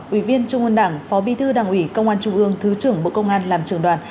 ủy viên trung ương đảng phó bí thư đảng ủy công an trung ương thứ trưởng bộ công an làm trường đoàn